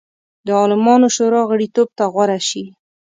د عالمانو شورا غړیتوب ته غوره شي.